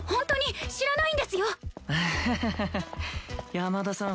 山田さん